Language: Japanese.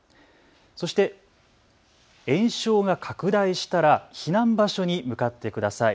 そして、延焼が拡大したら避難場所に向かってください。